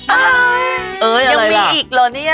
อ๊าออยังมีอีกหรอเนี่ย